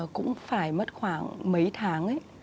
cũng phải mất khoảng mấy tháng ấy